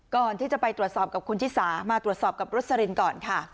ก่อนที่จะไปตรวจสอบกับคุณชิสามาตรวจสอบกับรสลินก่อนค่ะ